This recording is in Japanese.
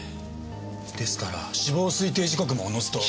ですから死亡推定時刻もおのずと。